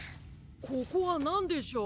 ここはなんでしょう。